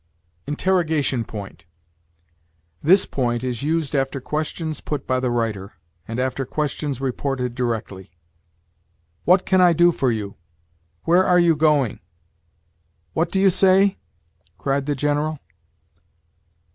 INTERROGATION POINT. This point is used after questions put by the writer, and after questions reported directly. "What can I do for you?" "Where are you going?" "What do you say?" cried the General.